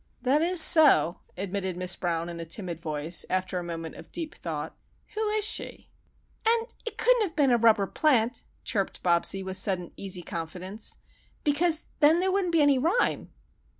"That is so," admitted Miss Brown in a timid voice, after a moment of deep thought. "Who is she?" "And it couldn't have been a rubber plant," chirped Bobsie with sudden easy confidence, "because then there wouldn't be any rhyme."